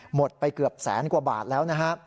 หมดไปเกือบแสนกว่าบาทแล้วนะฮะ